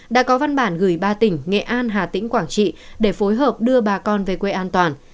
đã có văn bản gửi ba tỉnh nghệ an hà tĩnh quảng trị để phối hợp đưa bà con về quê an toàn